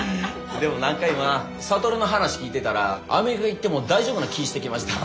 でも何か今諭の話聞いてたらアメリカ行っても大丈夫な気ぃしてきましたわ。